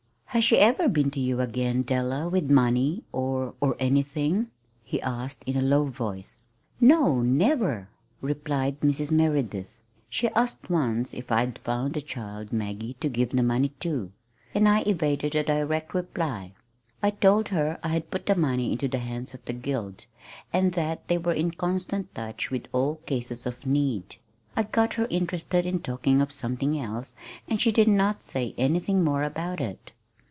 "Has she ever been to you again, Della, with money, or or anything?" he asked in a low voice. "No, never," replied Mrs. Merideth. "She asked once if I'd found the child, Maggie, to give the money to, and I evaded a direct reply. I told her I had put the money into the hands of the Guild, and that they were in constant touch with all cases of need. I got her interested in talking of something else, and she did not say anything more about it."